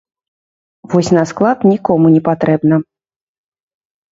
Вось на склад нікому не патрэбна!